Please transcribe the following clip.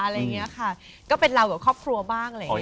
อย่างเงี้ยค่ะเป็นราวดับข้อครัวบ้างเลยเนี่ย